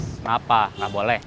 kenapa nggak boleh